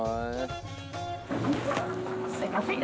すいません。